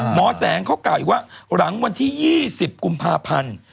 หมอแสงเขากล่าวอีกว่าหลังวันที่๒๐กุมภาพันธ์